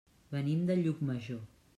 Venim de Llucmajor.